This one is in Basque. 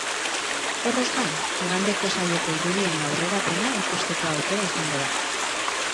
Horrez gain, igandeko saioko irudien aurrerapena ikusteko aukera izango da.